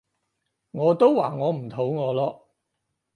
我都話我唔肚餓咯